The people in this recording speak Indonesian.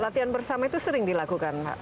latihan bersama itu sering dilakukan